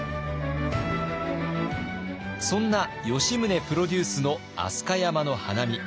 そんな吉宗プロデュースの飛鳥山の花見。